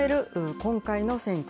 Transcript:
今回の選挙。